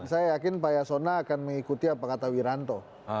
saya yakin pak yasona akan mengikuti apa kata wiranto